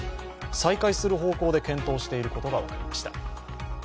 再開する方向で検討していることが分かりました。